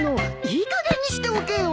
いいかげんにしておけよ。